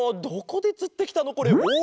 どこでつってきたのこれ？